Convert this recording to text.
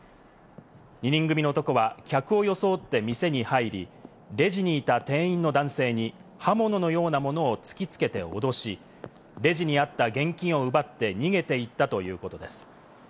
２人組の男は客を装って店に入り、レジにいた店員の男性に刃物のようなものを突きつけて脅し、レジにあった現金を奪って逃げていったということです。